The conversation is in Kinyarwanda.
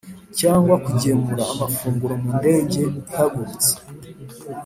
cyangwa kugemura amafunguro mu ndege ihagurutse